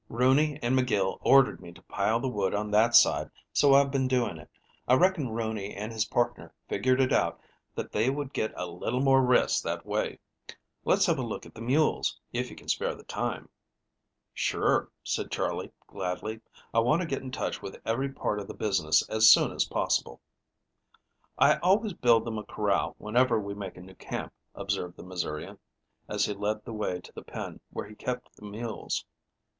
Rooney and McGill ordered me to pile the wood on that side, so I've been doing it. I reckon Rooney and his partner figured it out that they would get a little more rest that way. Let's have a look at the mules, if you can spare the time." "Sure," said Charley gladly. "I want to get in touch with every part of the business as soon as possible." "I always build them a corral whenever we make a new camp," observed the Missourian, as he led the way to the pen where he kept the mules.